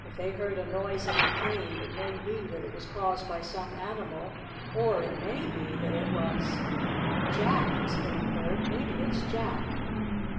If they heard a noise in the cave, it may be that it was caused by some animal, or it may be that it was " "Jack!" exclaimed Bert. "Maybe it's Jack!"